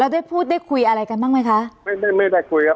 ได้พูดได้คุยอะไรกันบ้างไหมคะไม่ได้ไม่ได้คุยครับ